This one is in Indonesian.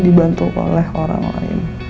dibantu oleh orang lain